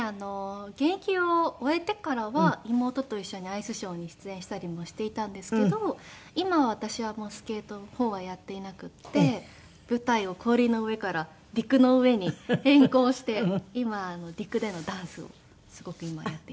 現役を終えてからは妹と一緒にアイスショーに出演したりもしていたんですけど今私はスケートの方はやっていなくて舞台を氷の上から陸の上に変更して今陸でのダンスをすごくやっています。